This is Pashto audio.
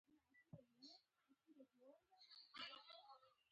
همدې سيلانۍ د سيمې د خلکو ژوند غوړولی.